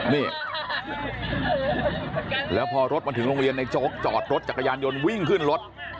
นี่แล้วพอรถมาถึงโรงเรียนในโจ๊กจอดรถจักรยานยนต์วิ่งขึ้นรถ